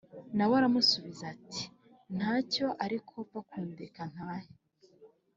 Na we aramusubiza ati “Nta cyo ariko pfa kundeka ntahe”